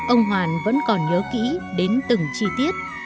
ông hoàn vẫn còn nhớ kỹ đến từng chi tiết